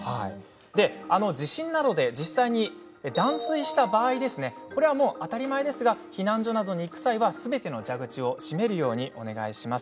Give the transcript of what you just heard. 地震などで実際に断水した場合当たり前ですが避難所など行く際はすべての蛇口を締めるようにお願いします。